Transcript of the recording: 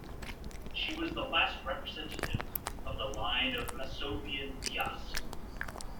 She was the last representative of the line of Masovian-Piast.